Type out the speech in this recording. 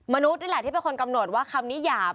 มนุษย์นี่แหละที่เป็นคนกำหนดว่าคำนี้หยาบ